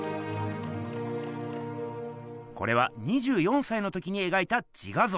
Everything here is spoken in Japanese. これは２４さいの時にえがいた「自画像」。